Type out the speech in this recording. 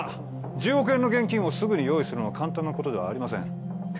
１０億円の現金をすぐに用意するのは簡単なことではありません